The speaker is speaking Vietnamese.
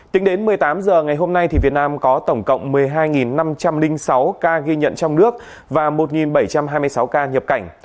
tính đến một mươi tám h ngày hôm nay việt nam có tổng cộng một mươi hai năm trăm linh sáu ca ghi nhận trong nước và một bảy trăm hai mươi sáu ca nhập cảnh